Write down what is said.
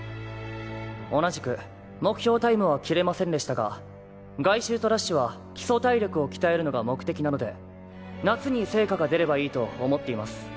同じく目標タイムは切れませんでしたが外周とダッシュは基礎体力をきたえるのが目的なので夏に成果が出ればいいと思っています。